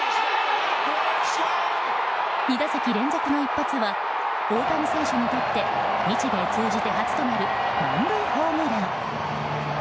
２打席連続の一発は大谷選手にとって日米通じて初となる満塁ホームラン。